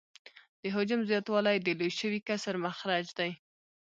د حجم زیاتوالی د لوی شوي کسر مخرج دی